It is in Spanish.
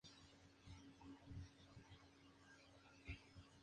Estudió a Richard Dedekind y Georg Cantor, cuya correspondencia editará.